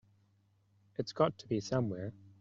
It's got to be somewhere.